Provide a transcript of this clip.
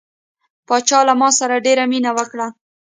پاچا له ما سره ډیره مینه وکړه.